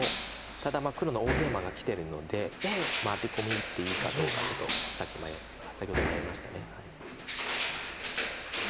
ただ黒の大ゲイマがきてるのでアテコミ打っていいかどうかちょっとさっき先ほど迷いました。